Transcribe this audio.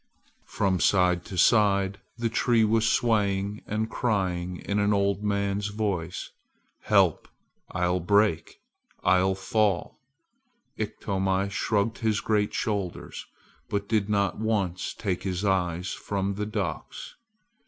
From side to side the tree was swaying and crying in an old man's voice, "Help! I'll break! I'll fall!" Iktomi shrugged his great shoulders, but did not once take his eyes from the ducks.